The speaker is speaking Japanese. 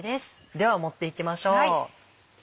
では盛っていきましょう。